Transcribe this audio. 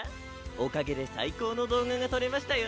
おかげで最高の動画が撮れましたよ。